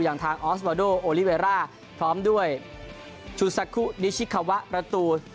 อย่างทางออสวาโดโอลิเวร่าพร้อมด้วยชูซาคุนิชิคาวะประตู